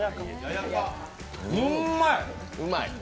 うんまい。